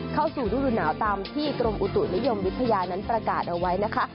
เข้าสู่ฤดูหนาวตามที่กรมอุตุนิยมวิทยานั้นประกาศเอาไว้นะคะ